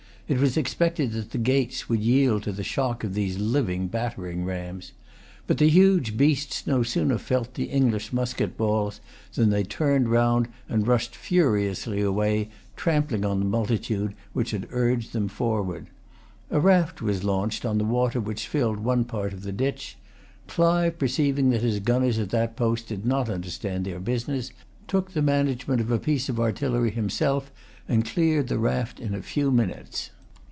It was expected that the gates would yield to the shock of these living battering rams. But the huge beasts no sooner felt the English musket balls than they turned round, and rushed furiously away, trampling on the multitude which had urged them forward. A raft was launched on the water which filled one part of the ditch. Clive, perceiving that his gunners at that post did not understand their business, took the management of a piece of artillery himself, and cleared the raft in a few minutes.